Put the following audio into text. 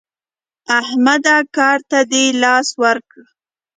احمده کار ته دې لاس ورکړ؟